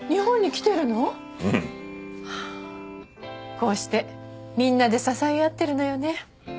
こうしてみんなで支え合ってるのよね。